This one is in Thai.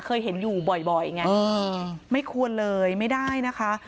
เคยเห็นอยู่บ่อยไงไม่ควรเลยไม่ได้นะคะ